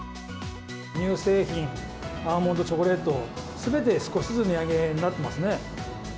乳製品、アーモンドチョコレート、すべて少しずつ値上げになっていますね。